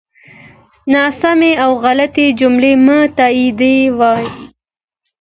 ناسمی او غلطی جملی مه تاییدوی